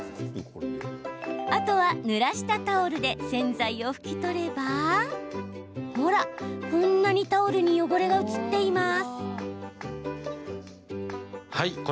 あとは、ぬらしたタオルで洗剤を拭き取ればほら、こんなにタオルに汚れが移っています。